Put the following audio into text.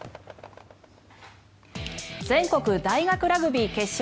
全国大学ラグビー決勝。